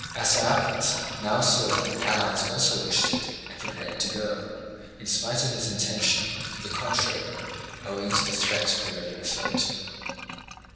Astyochus now saw that the allies also wished it and prepared to go, in spite of his intention to the contrary owing to the threat already referred to.